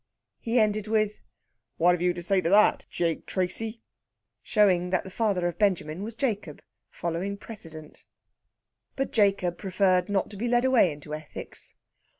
He ended with, "What have you to say to that, Jake Tracy?" showing that the father of Benjamin was Jacob, following precedent. But Jacob preferred not to be led away into ethics.